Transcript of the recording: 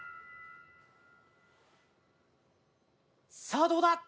さあどうだ？